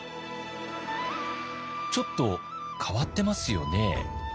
ちょっと変わってますよね。